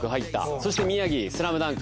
そして、宮城、スラムダンク。